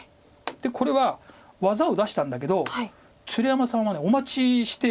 これは技を出したんだけど鶴山さんはお待ちして。